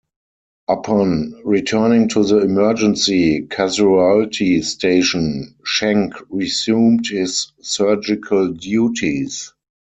Upon returning to the emergency casualty station, Schenck resumed his surgical duties.